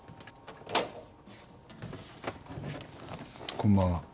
こんばんは。